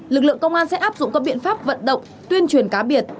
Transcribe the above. lực lượng công an sẽ áp dụng các biện pháp vận động tuyên truyền cá biệt